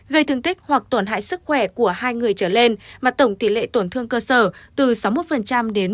gây thương tích hoặc tổn hại sức khỏe của hai người trở lên mà tổng tỷ lệ tổn thương cơ sở từ sáu mươi một đến một trăm hai mươi một